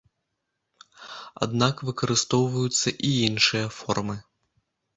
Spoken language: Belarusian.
Аднак выкарыстоўваюцца і іншыя формы.